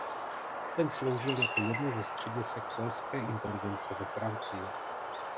Ten sloužil jako jedno ze středisek polské inteligence ve Francii.